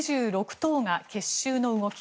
党が結集の動き